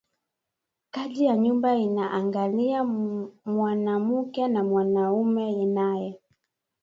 Kaji ya nyumba ina angariya mwanamuke na mwanaume naye